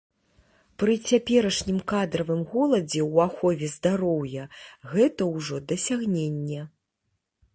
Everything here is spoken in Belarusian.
Пры цяперашнім кадравым голадзе ў ахове здароўя гэта ўжо дасягненне.